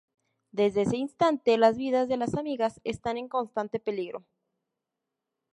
Desde ese instante, las vidas de las amigas están en constante peligro.